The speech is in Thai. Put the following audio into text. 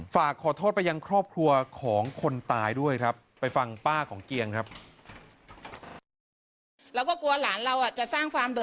ฝากขอโทษไปยังครอบครัวของคนตายด้วยครับไปฟังป้าของเกียงครับ